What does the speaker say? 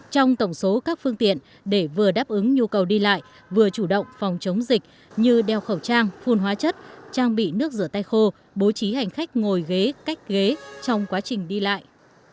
trong tổng số các phương tiện để vừa đáp ứng nhu cầu đi lại vừa chủ động phòng chống dịch như đeo khẩu trang phun hóa chất trang bị nước rửa tay khô bố trí hành khách ngồi ghế cách ghế trong quá trình đi lại